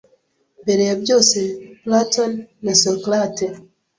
Mbere ya byose Platon na Socrate